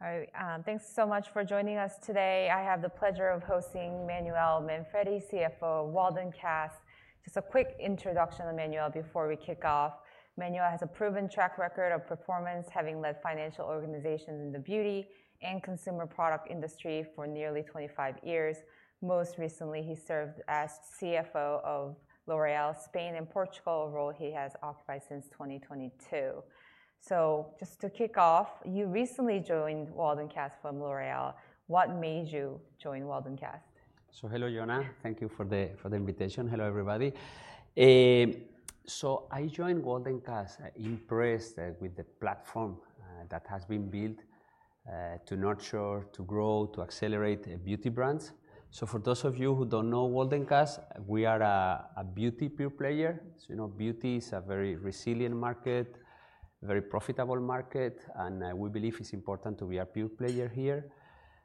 All right, thanks so much for joining us today. I have the pleasure of hosting Manuel Manfredi, CFO of Waldencast. Just a quick introduction of Manuel before we kick off. Manuel has a proven track record of performance, having led financial organizations in the beauty and consumer product industry for nearly 25 years. Most recently, he served as CFO of L'Oréal, Spain and Portugal, a role he has occupied since 2022. So just to kick off, you recently joined Waldencast from L'Oréal. What made you join Waldencast? So hello, Jonna. Thank you for the invitation. Hello, everybody. So I joined Waldencast impressed with the platform that has been built to nurture, to grow, to accelerate beauty brands. So for those of you who don't know Waldencast, we are a beauty pure player. So, you know, beauty is a very resilient market, very profitable market, and we believe it's important to be a pure player here.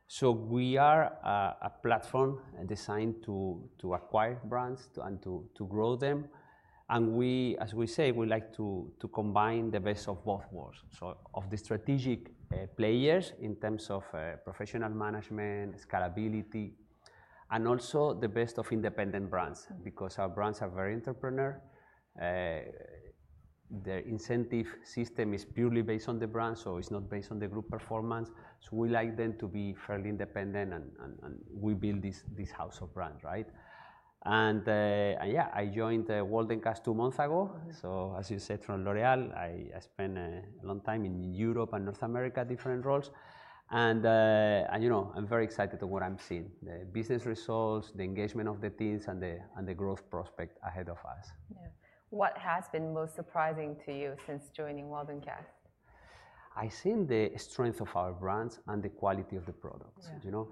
So we are a platform designed to acquire brands and to grow them, and we, as we say, we like to combine the best of both worlds. So of the strategic players in terms of professional management, scalability, and also the best of independent brands, because our brands are very entrepreneur. Their incentive system is purely based on the brand, so it's not based on the group performance. So we like them to be fairly independent, and we build this house of brands, right? And yeah, I joined the Waldencast two months ago. Mm-hmm. So as you said, from L'Oréal, I spent a long time in Europe and North America, different roles. And you know, I'm very excited of what I'm seeing, the business results, the engagement of the teams, and the growth prospect ahead of us. Yeah. What has been most surprising to you since joining Waldencast? I've seen the strength of our brands and the quality of the products. Yeah. You know,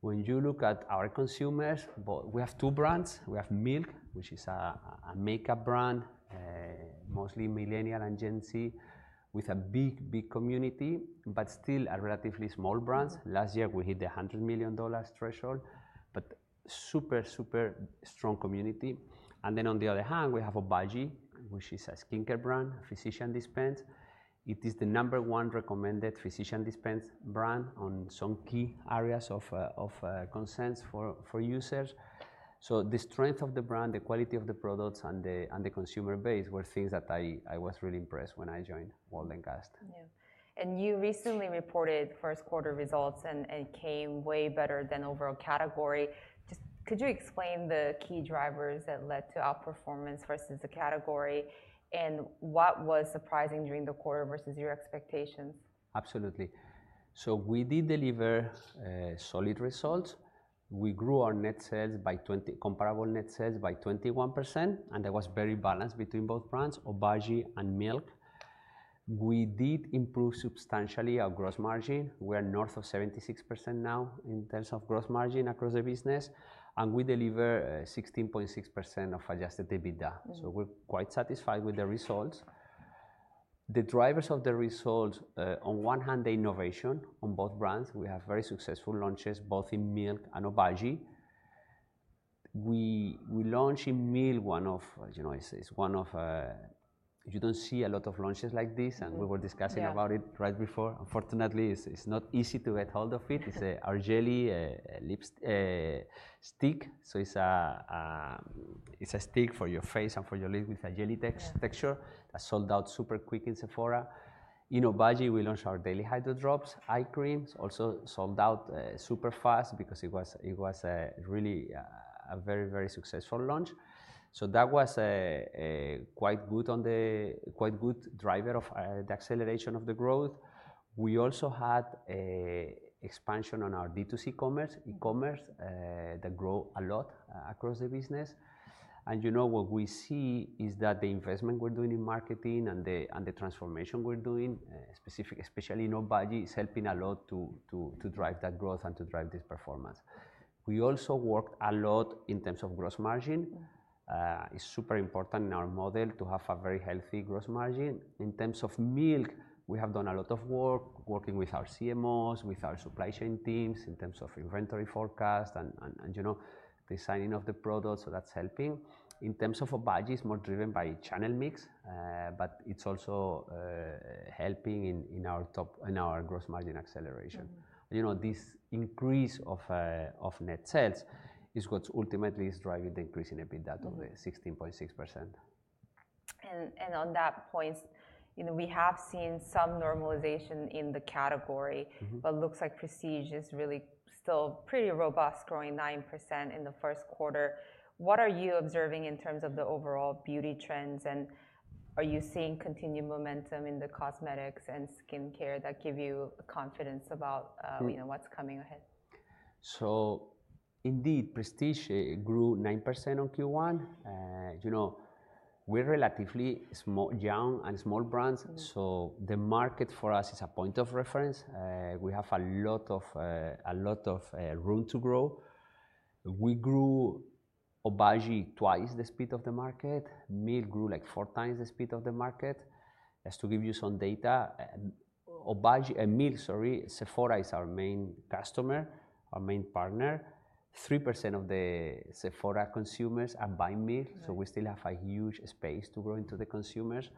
when you look at our consumers, but we have two brands. We have Milk, which is a makeup brand, mostly Millennial and Gen Z, with a big, big community, but still a relatively small brands. Last year, we hit the $100 million threshold, but super, super strong community. And then on the other hand, we have Obagi, which is a skincare brand, physician dispense. It is the number one recommended physician dispense brand on some key areas of concerns for users. So the strength of the brand, the quality of the products, and the consumer base were things that I was really impressed when I joined Waldencast. Yeah. You recently reported first quarter results, and it came way better than overall category. Just could you explain the key drivers that led to outperformance versus the category, and what was surprising during the quarter versus your expectations? Absolutely. So we did deliver solid results. We grew our comparable net sales by 21%, and that was very balanced between both brands, Obagi and Milk. We did improve substantially our gross margin. We are north of 76% now in terms of gross margin across the business, and we deliver 16.6% of Adjusted EBITDA. Mm. So we're quite satisfied with the results. The drivers of the results, on one hand, the innovation on both brands. We have very successful launches, both in Milk and Obagi. We launched in Milk, one of, you know, it's one of... You don't see a lot of launches like this, and we were discussing- Yeah... about it right before. Unfortunately, it's not easy to get hold of it. It's our jelly lipstick. So it's a stick for your face and for your lips with a jelly texture. Yeah... that sold out super quick in Sephora. In Obagi, we launched our Daily Hydro-Drops Eye Creams, also sold out super fast because it was a really, a very, very successful launch. So that was a quite good driver of the acceleration of the growth. We also had a expansion on our B2C commerce- Mm... e-commerce that grow a lot across the business. And you know, what we see is that the investment we're doing in marketing and the transformation we're doing, especially in Obagi, is helping a lot to drive that growth and to drive this performance. We also worked a lot in terms of gross margin. Mm. It's super important in our model to have a very healthy gross margin. In terms of Milk, we have done a lot of work working with our CMOs, with our supply chain teams in terms of inventory forecast and, you know, designing of the products, so that's helping. In terms of Obagi, it's more driven by channel mix, but it's also helping in our gross margin acceleration. Mm. You know, this increase of net sales is what's ultimately is driving the increase in EBITDA- Mm... of the 16.6%. And on that point, you know, we have seen some normalization in the category. Mm-hmm. Looks like Prestige is really still pretty robust, growing 9% in the first quarter. What are you observing in terms of the overall beauty trends, and are you seeing continued momentum in the cosmetics and skincare that give you confidence about? Mm... you know, what's coming ahead? So indeed, prestige grew 9% on Q1. You know, we're relatively small, young, and small brands- Mm... so the market for us is a point of reference. We have a lot of room to grow. We grew Obagi twice the speed of the market. Milk grew, like, four times the speed of the market. Just to give you some data, Obagi and Milk, sorry, Sephora is our main customer, our main partner. 3% of the Sephora consumers are buying Milk- Right. So we still have a huge space to grow into the consumers.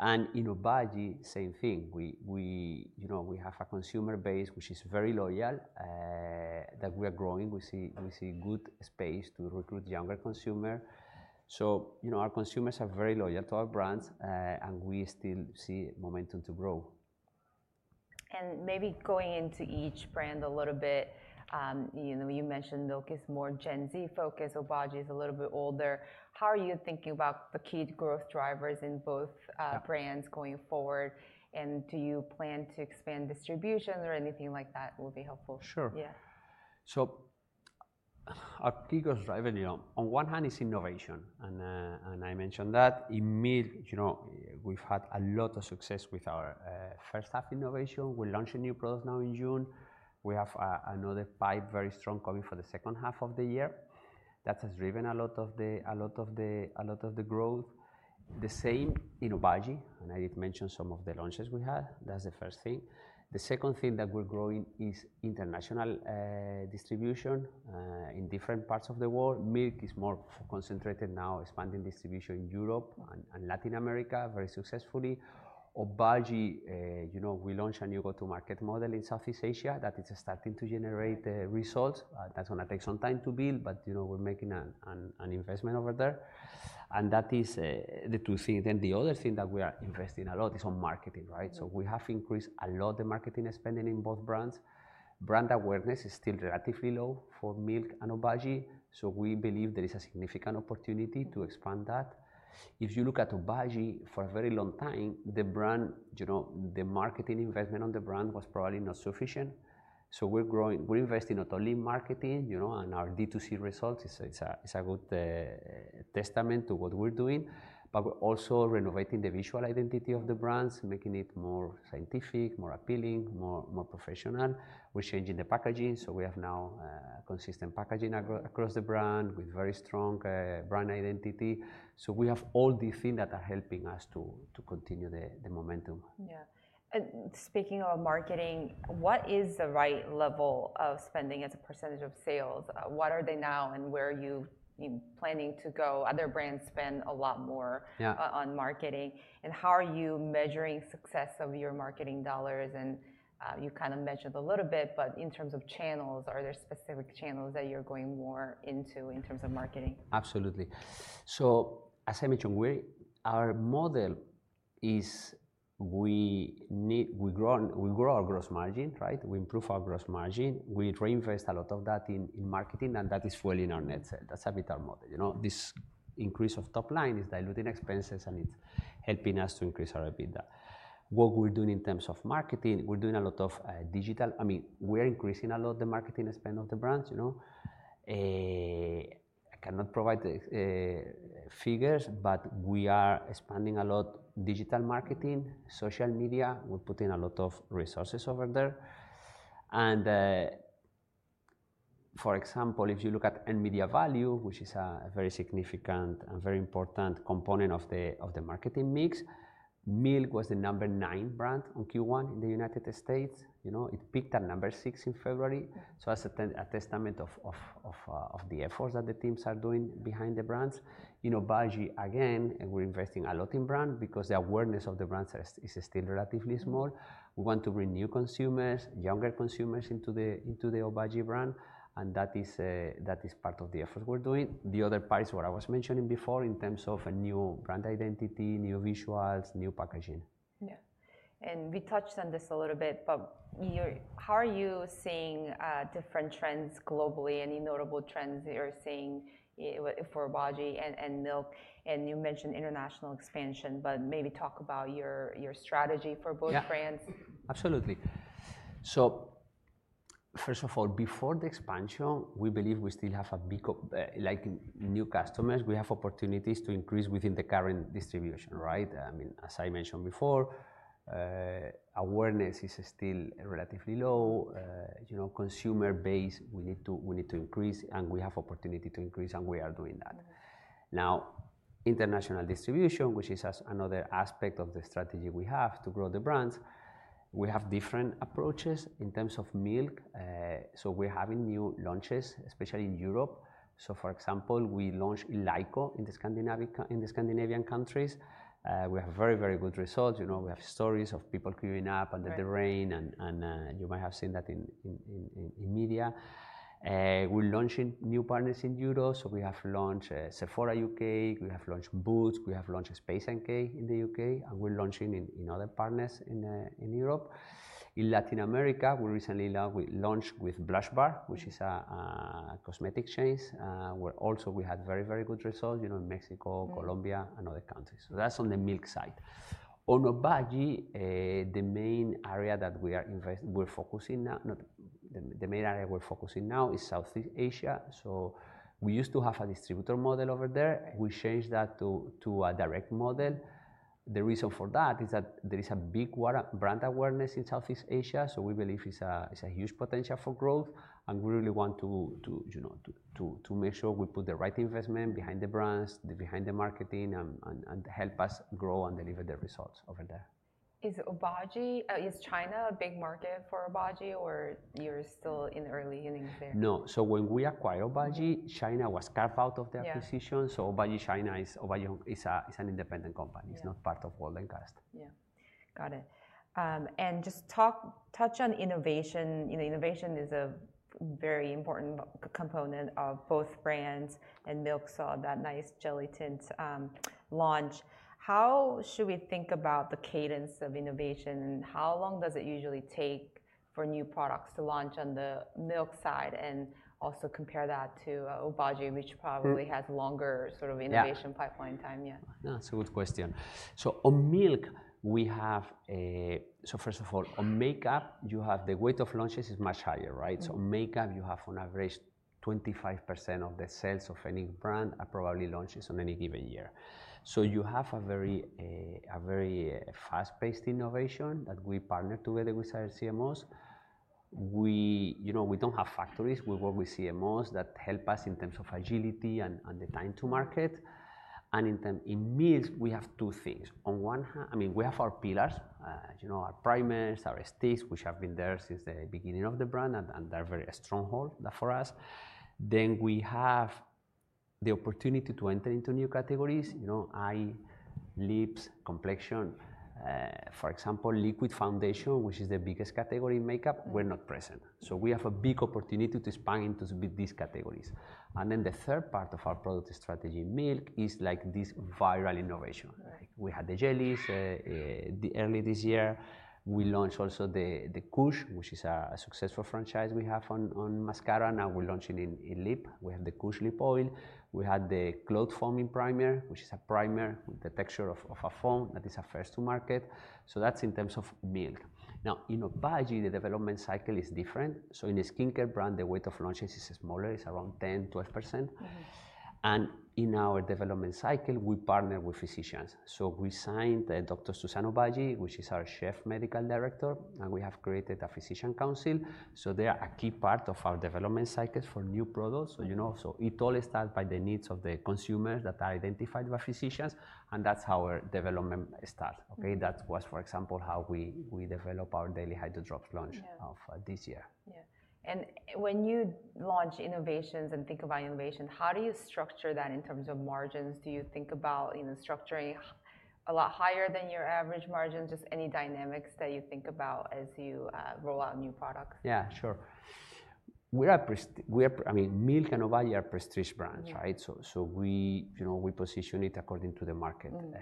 And in Obagi, same thing. We, we, you know, we have a consumer base which is very loyal, that we are growing. We see, we see good space to recruit younger consumer. So, you know, our consumers are very loyal to our brands, and we still see momentum to grow. Maybe going into each brand a little bit, you know, you mentioned Milk is more Gen Z focused, Obagi is a little bit older. How are you thinking about the key growth drivers in both? Yeah... brands going forward, and do you plan to expand distribution or anything like that will be helpful? Sure. Yeah. So our key growth driver, you know, on one hand, is innovation, and I mentioned that. In Milk, you know, we've had a lot of success with our first half innovation. We're launching new products now in June. We have another pipeline very strong coming for the second half of the year. That has driven a lot of the, a lot of the, a lot of the growth. The same in Obagi, and I did mention some of the launches we had. That's the first thing. The second thing that we're growing is international distribution in different parts of the world. Milk is more concentrated now, expanding distribution in Europe and Latin America very successfully. Obagi, you know, we launched a new go-to-market model in Southeast Asia that is starting to generate results. That's gonna take some time to build, but, you know, we're making an investment over there, and that is the two things. Then the other thing that we are investing a lot is on marketing, right? Mm-hmm. So we have increased a lot the marketing spending in both brands. Brand awareness is still relatively low for Milk and Obagi, so we believe there is a significant opportunity to expand that. If you look at Obagi, for a very long time, the brand, you know, the marketing investment on the brand was probably not sufficient, so we're growing, we're investing not only in marketing, you know, and our D2C results is a good testament to what we're doing. But we're also renovating the visual identity of the brands, making it more scientific, more appealing, more professional. We're changing the packaging, so we have now consistent packaging across the brand with very strong brand identity. So we have all these things that are helping us to continue the momentum. Yeah. And speaking of marketing, what is the right level of spending as a percentage of sales? What are they now, and where are you planning to go? Other brands spend a lot more- Yeah... on marketing, and how are you measuring success of your marketing dollars? And, you kind of mentioned a little bit, but in terms of channels, are there specific channels that you're going more into in terms of marketing? Absolutely. So as I mentioned, we. Our model is we grow, and we grow our gross margin, right? We improve our gross margin. We reinvest a lot of that in marketing, and that is fueling our net sales. That's a bit our model. You know, this increase of top line is diluting expenses, and it's helping us to increase our EBITDA. What we're doing in terms of marketing, we're doing a lot of digital. I mean, we're increasing a lot the marketing spend of the brands, you know. I cannot provide the figures, but we are expanding a lot digital marketing, social media. We're putting a lot of resources over there. For example, if you look at earned media value, which is a very significant and very important component of the marketing mix, Milk was the number nine brand on Q1 in the United States. You know, it peaked at number six in February. Mm. So that's a testament of the efforts that the teams are doing behind the brands. In Obagi, again, we're investing a lot in brand because the awareness of the brand is still relatively small. Mm. We want to bring new consumers, younger consumers into the Obagi brand, and that is part of the effort we're doing. The other part is what I was mentioning before in terms of a new brand identity, new visuals, new packaging. Yeah. And we touched on this a little bit, but you... How are you seeing different trends globally? Any notable trends that you're seeing for Obagi and, and Milk, and you mentioned international expansion, but maybe talk about your, your strategy for both brands. Yeah. Absolutely. So first of all, before the expansion, we believe we still have a big, like, new customers, we have opportunities to increase within the current distribution, right? I mean, as I mentioned before, awareness is still relatively low. You know, consumer base, we need to, we need to increase, and we have opportunity to increase, and we are doing that. Mm. Now, international distribution, which is another aspect of the strategy we have to grow the brands, we have different approaches in terms of Milk. So, we're having new launches, especially in Europe. So, for example, we launched LYKO in the Scandinavian countries. We have very, very good results. You know, we have stories of people queuing up- Right... under the rain, and you might have seen that in media. We're launching new partners in Europe, so we have launched Sephora U.K., we have launched Boots, we have launched Space NK in the U.K., and we're launching in other partners in Europe. In Latin America, we recently launched with Blush-Bar- Mm... which is a cosmetics chains. We also had very, very good results, you know, in Mexico- Mm... Colombia, and other countries. So that's on the Milk side. On Obagi, the main area we're focusing now is Southeast Asia. So we used to have a distributor model over there. Mm. We changed that to a direct model. The reason for that is that there is a big brand awareness in Southeast Asia, so we believe it's a huge potential for growth, and we really want to, you know, to make sure we put the right investment behind the brands, behind the marketing, and help us grow and deliver the results over there.... Is Obagi China a big market for Obagi, or you're still in early innings there? No. So when we acquired Obagi, China was carved out of the acquisition. Yeah. Obagi China is an independent company. Yeah. It's not part of Waldencast. Yeah. Got it. And just touch on innovation. You know, innovation is a very important component of both brands, and Milk saw that nice Jelly Tint launch. How should we think about the cadence of innovation, and how long does it usually take for new products to launch on the Milk side? And also compare that to Obagi- Mm... which probably has longer sort of- Yeah... innovation pipeline time, yeah. Yeah, it's a good question. So on Milk, we have a... So first of all, on makeup, you have the rate of launches is much higher, right? Mm-hmm. So makeup, you have on average 25% of the sales of any brand are probably launches on any given year. So you have a very fast-paced innovation that we partner together with our CMOs. We, you know, we don't have factories. We work with CMOs that help us in terms of agility and the time to market, and in Milk, we have two things. On one hand, I mean, we have our pillars, you know, our primers, our ethos, which have been there since the beginning of the brand, and they're very a stronghold for us. Then we have the opportunity to enter into new categories, you know, eye, lips, complexion. For example, liquid foundation, which is the biggest category in makeup- Mm... we're not present. So we have a big opportunity to expand into these categories. And then the third part of our product strategy in Milk is like this viral innovation. Right. We had the jellies early this year. We launched also the Kush, which is a successful franchise we have on mascara. Now we're launching in lip. We have the Kush Lip Oil. We had the Cloud Glow Priming Foam, which is a primer with the texture of a foam. That is a first to market, so that's in terms of Milk. Now, in Obagi, the development cycle is different. So in a skincare brand, the rate of launches is smaller, it's around 10%-12%. Mm-hmm. In our development cycle, we partner with physicians. So we signed Dr. Suzan Obagi, which is our Chief Medical Director, and we have created a physician council, so they are a key part of our development cycles for new products. Mm-hmm. So, you know, so it all starts by the needs of the consumers that are identified by physicians, and that's how our development starts. Mm-hmm. Okay? That was, for example, how we developed our Daily Hydro-Drops launch. Yeah... of this year. Yeah, and when you launch innovations and think about innovation, how do you structure that in terms of margins? Do you think about, you know, structuring a lot higher than your average margin? Just any dynamics that you think about as you roll out new products. Yeah, sure. We are... I mean, Milk and Obagi are prestige brands. Yeah... right? So, so we, you know, we position it according to the market. Mm.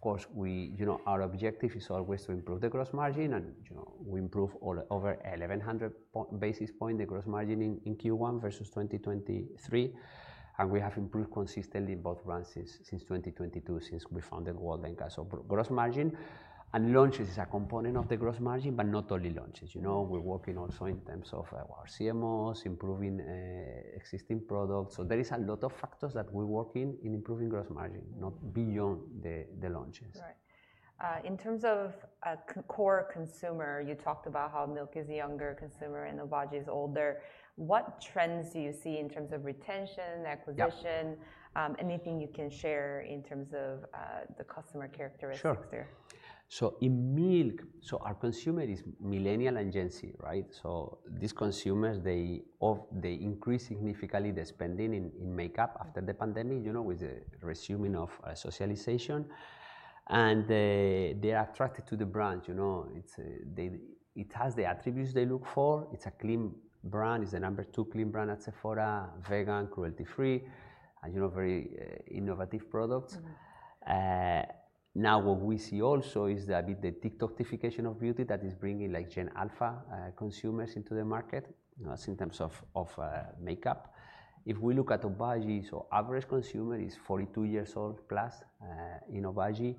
Of course, we, you know, our objective is always to improve the gross margin, and, you know, we improved over 1,100 basis points, the gross margin in Q1 versus 2023, and we have improved consistently in both brands since 2022, since we founded Waldencast. So gross margin and launches is a component of the gross margin, but not only launches. You know, we're working also in terms of our CMOs, improving existing products. So there is a lot of factors that we're working in improving gross margin, not beyond the launches. Right. In terms of a core consumer, you talked about how Milk is a younger consumer and Obagi is older. What trends do you see in terms of retention, acquisition? Yeah. Anything you can share in terms of the customer characteristics there? Sure. So in Milk, so our consumer is Millennial and Gen Z, right? So these consumers, they increased significantly their spending in makeup after the pandemic, you know, with the resuming of socialization, and they are attracted to the brand. You know, it has the attributes they look for. It's a clean brand. It's the number two clean brand at Sephora, vegan, cruelty-free, and, you know, very innovative products. Mm-hmm. Now what we see also is a bit the TikTok-ification of beauty that is bringing, like, Gen Alpha consumers into the market, you know, as in terms of makeup. If we look at Obagi, so average consumer is 42 years old plus in Obagi,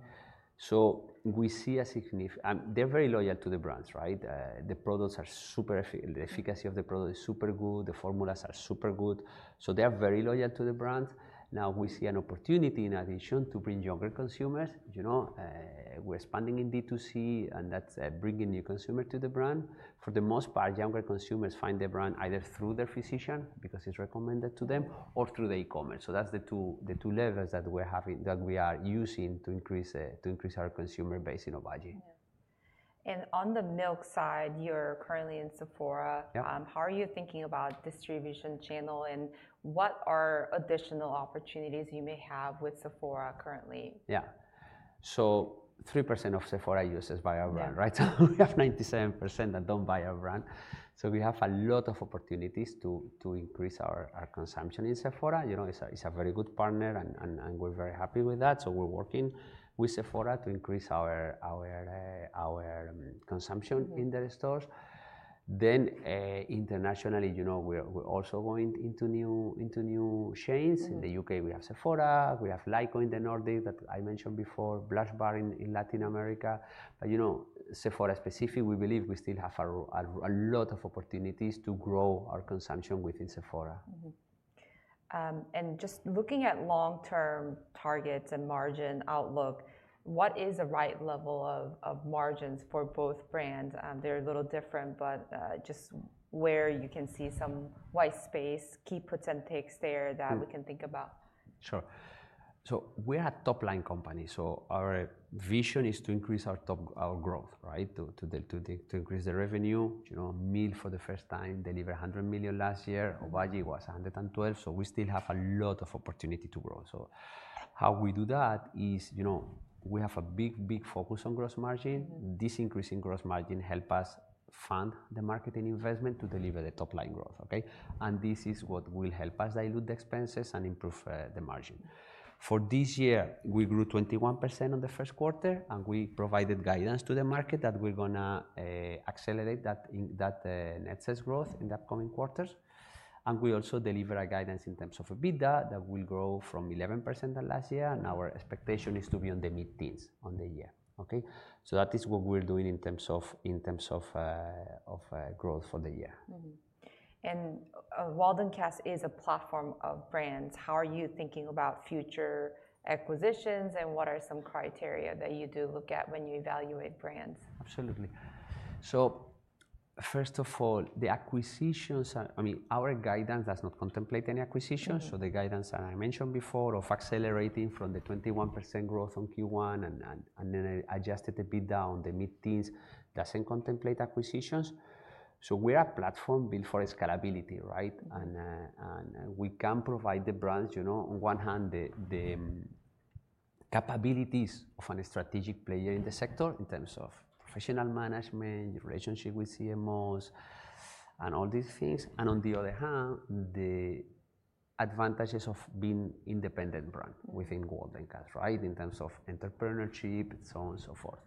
so we see and they're very loyal to the brands, right? The products are the efficacy of the product is super good. The formulas are super good, so they are very loyal to the brand. Now, we see an opportunity, in addition, to bring younger consumers. You know, we're expanding in D2C, and that's bringing new consumer to the brand. For the most part, younger consumers find the brand either through their physician, because it's recommended to them, or through the e-commerce. So that's the two levers that we are using to increase our consumer base in Obagi. Yeah. And on the Milk side, you're currently in Sephora. Yeah. How are you thinking about distribution channel, and what are additional opportunities you may have with Sephora currently? Yeah. So 3% of Sephora users buy our brand. Yeah... right? So we have 97% that don't buy our brand, so we have a lot of opportunities to increase our consumption in Sephora. You know, it's a very good partner, and we're very happy with that, so we're working with Sephora to increase our consumption- Mm... in their stores. Then, internationally, you know, we're also going into new chains. Mm. In the U.K., we have Sephora. We have LYKO in the Nordics that I mentioned before, Blush-Bar in Latin America. But, you know, Sephora specifically, we believe we still have a lot of opportunities to grow our consumption within Sephora. Mm-hmm. And just looking at long-term targets and margin outlook, what is the right level of margins for both brands? They're a little different, but just where you can see some white space, key puts and takes there- Mm... that we can think about? Sure. So we are a top-line company, so our vision is to increase our top, our growth, right? To increase the revenue. You know, Milk for the first time delivered $100 million last year. Obagi was $112 million, so we still have a lot of opportunity to grow. So how we do that is, you know, we have a big, big focus on gross margin. This increase in gross margin help us fund the marketing investment to deliver the top-line growth, okay? And this is what will help us dilute the expenses and improve the margin. For this year, we grew 21% on the first quarter, and we provided guidance to the market that we're gonna accelerate that in net sales growth in the upcoming quarters. We also deliver a guidance in terms of EBITDA that will grow from 11% the last year, and our expectation is to be on the mid-teens on the year, okay? So that is what we're doing in terms of growth for the year. Mm-hmm. And, Waldencast is a platform of brands. How are you thinking about future acquisitions, and what are some criteria that you do look at when you evaluate brands? Absolutely. So first of all, the acquisitions are... I mean, our guidance does not contemplate any acquisitions. Mm-hmm. So the guidance, as I mentioned before, of accelerating from the 21% growth on Q1 and then adjusted the EBITDA on the mid-teens doesn't contemplate acquisitions. So we are a platform built for scalability, right? Mm-hmm. And we can provide the brands, you know, on one hand, the capabilities of a strategic player in the sector in terms of professional management, relationship with CMOs, and all these things. And on the other hand, the advantages of being independent brand- Mm-hmm... within Waldencast, right, in terms of entrepreneurship, so on and so forth.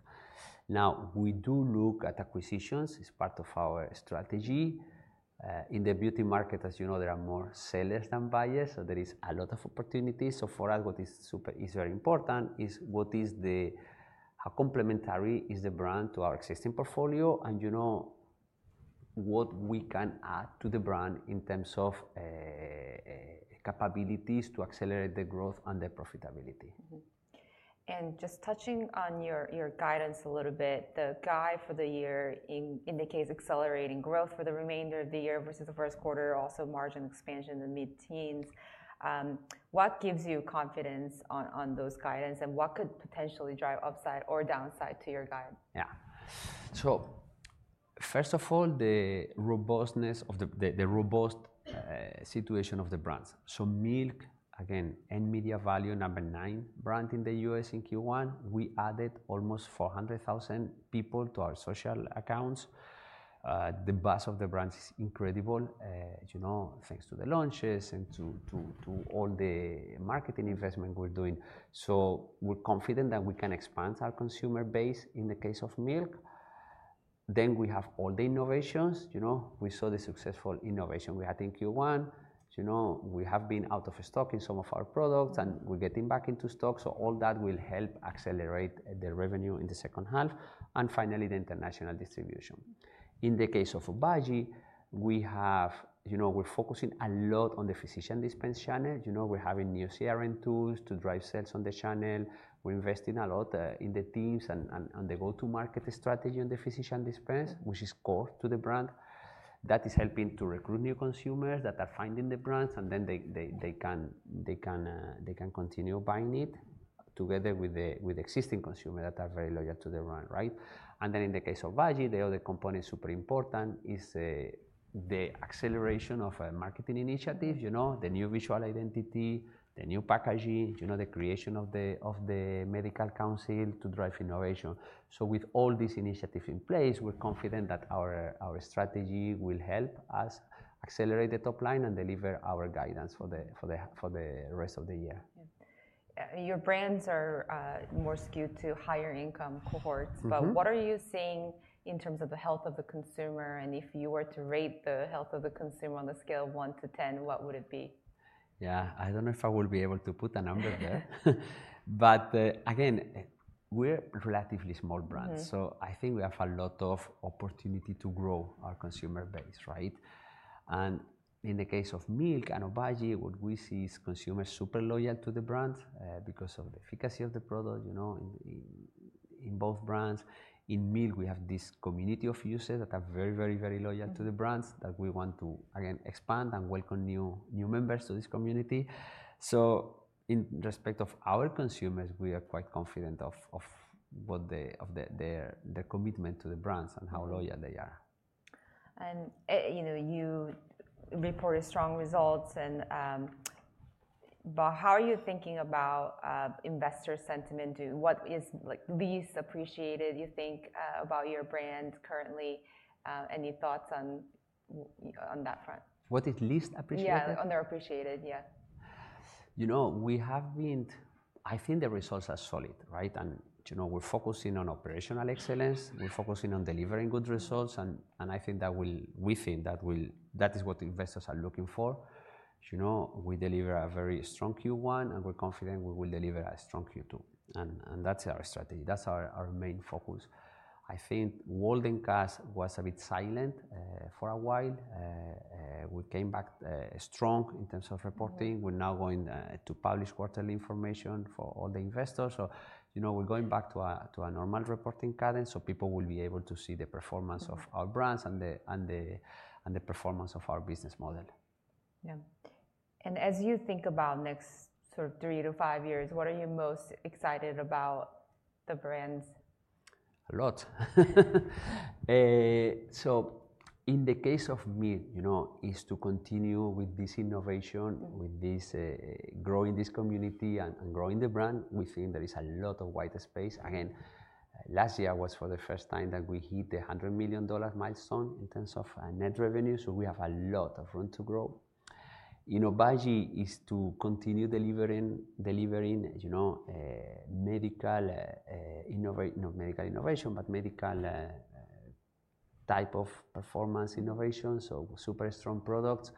Now, we do look at acquisitions. It's part of our strategy. In the beauty market, as you know, there are more sellers than buyers, so there is a lot of opportunities. So for us, what is super- is very important is what is the, how complementary is the brand to our existing portfolio, and, you know, what we can add to the brand in terms of, capabilities to accelerate the growth and the profitability. Mm-hmm. Just touching on your guidance a little bit, the guide for the year indicates accelerating growth for the remainder of the year versus the first quarter, also margin expansion in the mid-teens. What gives you confidence on those guidance, and what could potentially drive upside or downside to your guide? Yeah. So first of all, the robustness of the robust situation of the brands. So Milk, again, in media value, number nine brand in the U.S. in Q1. We added almost 400,000 people to our social accounts. The buzz of the brand is incredible, you know, thanks to the launches and to all the marketing investment we're doing. So we're confident that we can expand our consumer base in the case of Milk. Then we have all the innovations. You know, we saw the successful innovation we had in Q1. You know, we have been out of stock in some of our products, and we're getting back into stock, so all that will help accelerate the revenue in the second half, and finally, the international distribution. In the case of Obagi, we have... You know, we're focusing a lot on the Physician Dispense channel. You know, we're having new CRM tools to drive sales on the channel. We're investing a lot in the teams and the go-to-market strategy on the Physician Dispense- Mm-hmm... which is core to the brand. That is helping to recruit new consumers that are finding the brands, and then they can continue buying it together with the existing consumer that are very loyal to the brand, right? And then in the case of Obagi, the other component super important is the acceleration of a marketing initiative. You know, the new visual identity, the new packaging, you know, the creation of the medical council to drive innovation. So with all these initiatives in place, we're confident that our strategy will help us accelerate the top line and deliver our guidance for the rest of the year. Yeah. Your brands are more skewed to higher income cohorts. Mm-hmm. What are you seeing in terms of the health of the consumer? If you were to rate the health of the consumer on a scale of 1 to 10, what would it be? Yeah, I don't know if I will be able to put a number there. But, again, we're relatively small brands- Mm-hmm... so I think we have a lot of opportunity to grow our consumer base, right? And in the case of Milk and Obagi, what we see is consumers super loyal to the brand, because of the efficacy of the product, you know, in both brands. In Milk, we have this community of users that are very, very, very loyal- Mm-hmm... to the brands, that we want to, again, expand and welcome new members to this community. So in respect of our consumers, we are quite confident of the commitment to the brands and how loyal they are. You know, you reported strong results and but how are you thinking about investor sentiment to what is, like, least appreciated, you think, about your brands currently? Any thoughts on that front? What is least appreciated? Yeah, underappreciated, yeah. You know, we have been. I think the results are solid, right? And, you know, we're focusing on operational excellence. Mm-hmm. We're focusing on delivering good results. Mm-hmm. I think that will. We think that will, that is what investors are looking for. You know, we deliver a very strong Q1, and we're confident we will deliver a strong Q2, and that's our strategy. That's our main focus. I think Waldencast was a bit silent for a while. We came back strong in terms of reporting. Mm-hmm. We're now going to publish quarterly information for all the investors. So, you know, we're going back to a normal reporting cadence, so people will be able to see the performance of- Mm-hmm... our brands and the performance of our business model. Yeah. As you think about the next sort of three-five years, what are you most excited about the brands?... A lot. So in the case of Milk, you know, is to continue with this innovation- Mm. with this, growing this community and, and growing the brand. We think there is a lot of white space. Again, last year was for the first time that we hit the $100 million milestone in terms of, net revenue, so we have a lot of room to grow. You know, Obagi is to continue delivering, you know, medical, innovation, not medical innovation, but medical type of performance innovation, so super strong products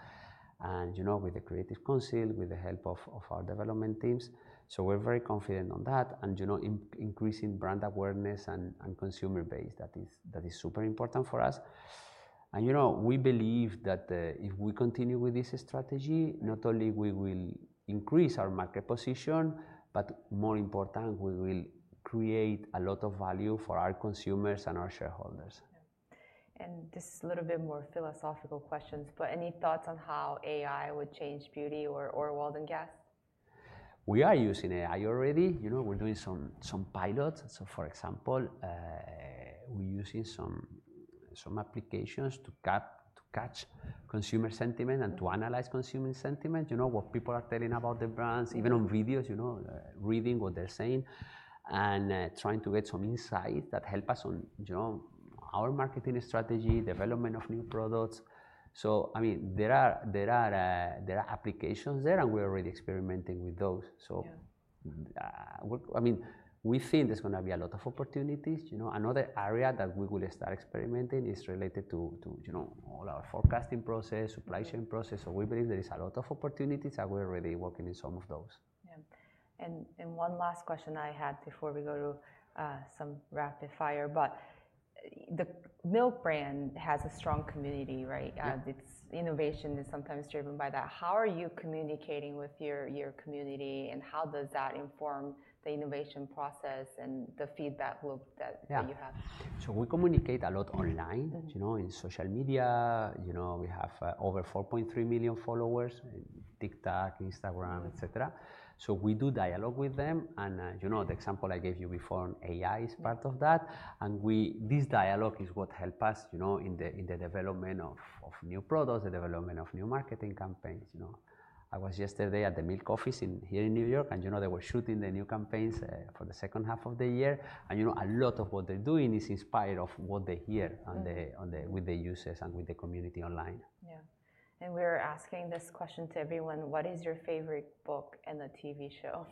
and, you know, with the creative council, with the help of, of our development teams. So we're very confident on that and, you know, increasing brand awareness and, and consumer base. That is, that is super important for us. You know, we believe that if we continue with this strategy, not only we will increase our market position, but more important, we will create a lot of value for our consumers and our shareholders. Yeah. This is a little bit more philosophical questions, but any thoughts on how AI would change beauty or, or Waldencast? We are using AI already. You know, we're doing some pilots. So for example, we're using some applications to catch consumer sentiment and to analyze consumer sentiment. You know, what people are telling about the brands- Mm... even on videos, you know, reading what they're saying and, trying to get some insight that help us on, you know, our marketing strategy, development of new products. So I mean, there are applications there, and we're already experimenting with those. So- Yeah... I mean, we think there's gonna be a lot of opportunities. You know, another area that we will start experimenting is related to, you know, all our forecasting process, supply chain process, so we believe there is a lot of opportunities, and we're already working in some of those. Yeah. One last question I had before we go to some rapid fire, but the Milk brand has a strong community, right? Yeah. Its innovation is sometimes driven by that. How are you communicating with your community, and how does that inform the innovation process and the feedback loop that- Yeah... that you have? So we communicate a lot online- Mm... you know, in social media. You know, we have over 4.3 million followers in TikTok, Instagram, et cetera. So we do dialogue with them, and you know, the example I gave you before on AI is part of that. Mm. This dialogue is what help us, you know, in the development of new products, the development of new marketing campaigns, you know. I was yesterday at the Milk office here in New York, and, you know, they were shooting the new campaigns for the second half of the year. And, you know, a lot of what they're doing is inspired of what they hear- Mm... on the with the users and with the community online. Yeah. And we're asking this question to everyone: What is your favorite book and a TV show?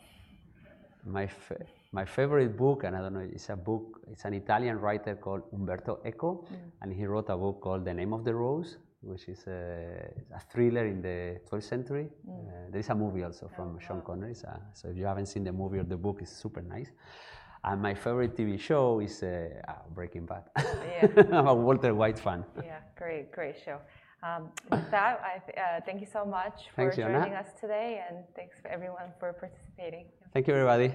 My favorite book, and I don't know, it's a book... It's an Italian writer called Umberto Eco. Mm. He wrote a book called The Name of the Rose- Mm... which is a thriller in the 12th century. Mm. There is a movie also- Oh... from Sean Connery, so if you haven't seen the movie or the book, it's super nice. And my favorite TV show is Breaking Bad. Yeah. I'm a Walter White fan. Yeah, great, great show. With that, I thank you so much for- Thanks, Jonna... joining us today, and thanks for everyone for participating. Thank you, everybody.